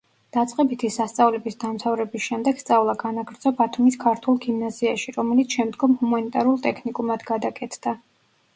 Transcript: დაწყებითი სასწავლებლის დამთავრების შემდეგ სწავლა განაგრძო ბათუმის ქართულ გიმნაზიაში, რომელიც შემდგომ ჰუმანიტარულ ტექნიკუმად გადაკეთდა.